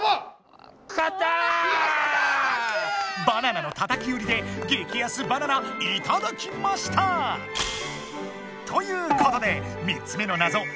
バナナのたたき売りでげきやすバナナいただきました！ということで３つ目のナゾ